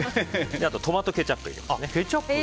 あとはトマトケチャップを入れます。